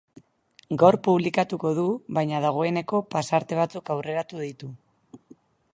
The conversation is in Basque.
Gaur publikatuko du, baina dagoeneko pasarte batzuk aurreratu ditu.